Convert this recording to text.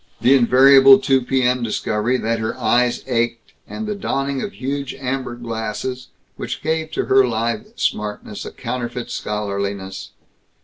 The invariable two P.M. discovery that her eyes ached, and the donning of huge amber glasses, which gave to her lithe smartness a counterfeit scholarliness.